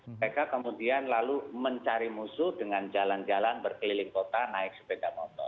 mereka kemudian lalu mencari musuh dengan jalan jalan berkeliling kota naik sepeda motor